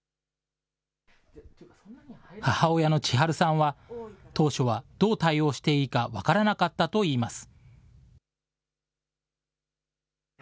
母親の智晴さんは、当初はどう対応していいか分からなかったといいます。